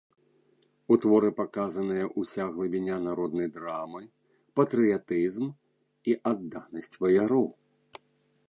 У творы паказаная ўся глыбіня народнай драмы, патрыятызм і адданасць ваяроў.